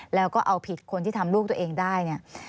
แล้วก็เอาผิดคนที่ทำลูกตัวเองได้เนี่ย